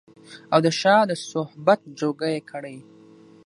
او د شاه د صحبت جوګه يې کړي